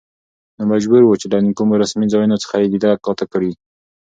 نو مجبور و، چې له کومو رسمي ځايونو څخه يې ليده کاته کړي.